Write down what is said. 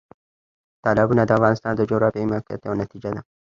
تالابونه د افغانستان د جغرافیایي موقیعت یو نتیجه ده.